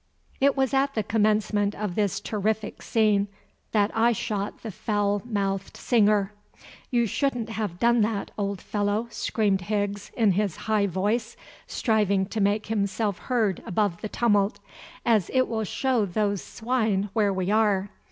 It was at the commencement of this terrific scene that I shot the foul mouthed singer. "You shouldn't have done that, old fellow," screamed Higgs in his high voice, striving to make himself heard above the tumult, "as it will show those swine where we are."